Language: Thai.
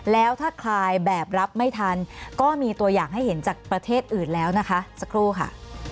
แล้วถ้าคลายแบบรับไม่ทันก็มีตัวอย่างให้เห็นจากประเทศอื่นแล้วนะคะสักครู่ค่ะ